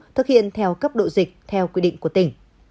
thực hiện theo cấp độ dịch theo quy định của tỉnh